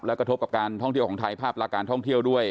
และกระทบกับการท่องเที่ยวของไทยภาพลักษณ์การท่องเที่ยวด้วย